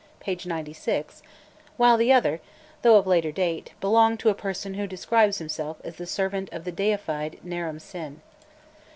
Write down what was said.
p. 96, while the other, though of later date, belonged to a person who describes himself as "the servant of the deified Naram Sin."